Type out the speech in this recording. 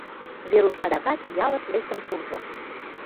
Веруш адакат ялыш лектын куржо.